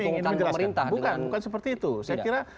saya gini ingin menjelaskan bukan bukan seperti itu saya kira